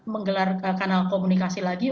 menggelar kanal komunikasi lagi